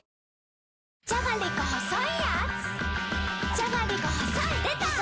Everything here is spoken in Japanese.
じゃがりこ細いやーつ